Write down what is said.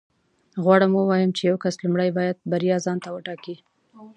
غواړم ووایم چې یو کس لومړی باید بریا ځان ته وټاکي